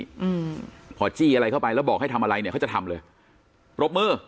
อืมพอจี้อะไรเข้าไปแล้วบอกให้ทำอะไรเนี้ยเขาจะทำเลยปรบมือ